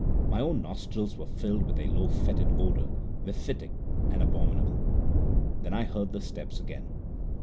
My own nostrils were filled by a low fetid odour, mephitic and abominable. Then I heard the steps again.